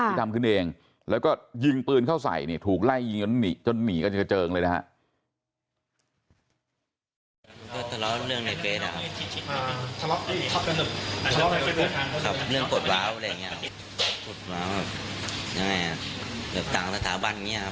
ทำขึ้นเองแล้วก็ยิงปืนเข้าใส่เนี่ยถูกไล่ยิงจนหนีกันกระเจิงเลยนะฮะ